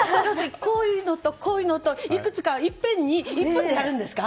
こういうのと、こういうのといういくつかをいっぺんに１分でやるんですか？